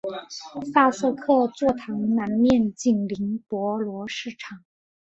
萨瑟克座堂南面紧邻博罗市场。